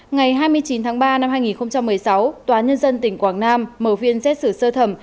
ngày hai mươi chín tháng ba năm hai nghìn một mươi sáu tòa nhân dân tỉnh quảng nam mở phiên xét xử sơ thẩm